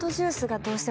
どうしても。